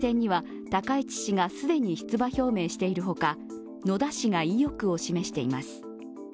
総裁選には高市氏が既に出馬表明している他、野田氏が意欲を示しています。